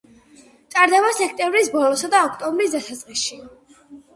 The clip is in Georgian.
ტარდება სექტემბრის ბოლოსა და ოქტომბრის დასაწყისში.